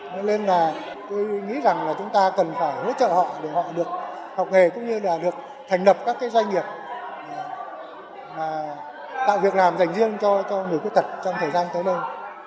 nên tôi nghĩ rằng chúng ta cần phải hỗ trợ họ để họ được học hề cũng như là được thành lập các doanh nghiệp tạo việc làm dành riêng cho người khuyết tật trong thời gian tới đây